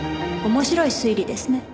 面白い推理ですね。